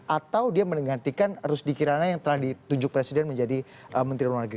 atau dia menggantikan rusdiki rana yang telah ditujuk presiden menjadi menteri luar negeri